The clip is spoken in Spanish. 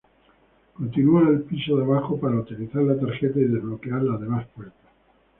Continua al piso de abajo para utilizar la tarjeta y desbloquear las demás puertas.